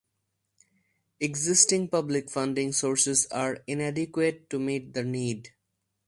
Existing public funding sources are inadequate to meet the need.